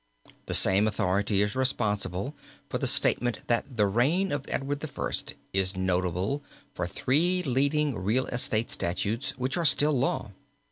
The same authority is responsible for the statement that the reign of Edward I., is notable for three leading real estate statutes which are still law.